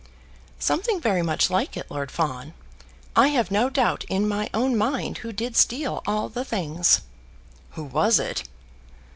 "Something very much like it, Lord Fawn. I have no doubt in my own mind who did steal all the things." "Who was it?"